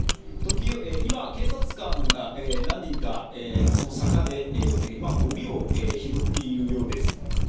今、警察官が何人かその坂でごみを拾っているようです。